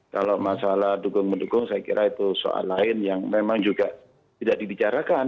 kalau masalah dukung mendukung saya kira itu soal lain yang memang juga tidak dibicarakan